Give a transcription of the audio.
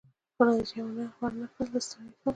خو نتیجه يې ورنه کړل، زه ستړی شوم.